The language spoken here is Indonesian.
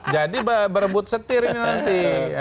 jadi berebut setir ini nanti